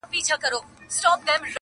که دي زوی وي که دي ورور که دي بابا دی!!